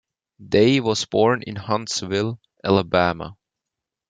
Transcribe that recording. Day was born in Huntsville, Alabama.